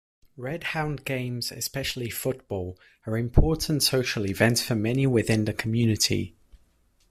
"Redhounds" games, especially football, are important social events for many within the community.